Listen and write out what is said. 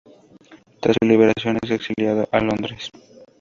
Tras su liberación es exiliado a Londres.